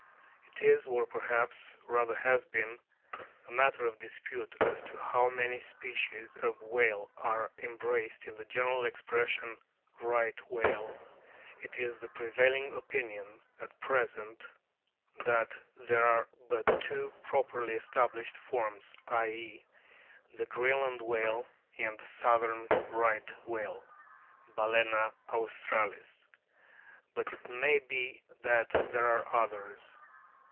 It is, or perhaps rather has been, a matter of dispute as to how many species of whale are em braced in the general expression " Right whale." It i2 4 A BOOK OF WHALES is the prevailing opinion at present that there are but two properly established forms, i.e., the Green land whale and the southern Right whale, Balczna australis. But it may be that there are others.